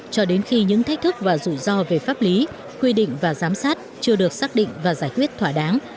cho đến khi những thách thức và rủi ro về pháp lý quy định và giám sát chưa được xác định và giải quyết thỏa đáng